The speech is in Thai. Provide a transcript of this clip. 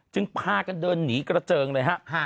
พากันเดินหนีกระเจิงเลยฮะ